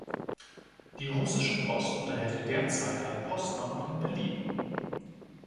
Die Russische Post unterhält derzeit ein Postamt in Berlin.